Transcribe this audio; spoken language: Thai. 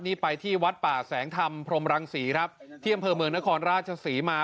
นี่ไปที่วัดป่าแสงธรรมพรมรังศรีครับที่อำเภอเมืองนครราชศรีมา